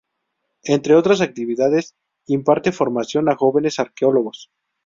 Entre otras actividades, imparte formación a jóvenes arqueólogos.